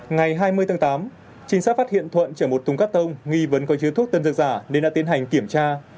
ngày hai mươi tháng tám trinh sát phát hiện thuận chở một thùng cắt tông nghi vấn có chứa thuốc tân dược giả nên đã tiến hành kiểm tra